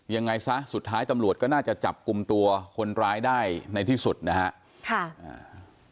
ยังไงซะสุดท้ายตำรวจก็น่าจะจับกลุ่มตัวคนร้ายได้ในที่สุดนะฮะค่ะอ่า